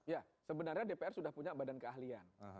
ya sebenarnya dpr sudah punya badan keahlian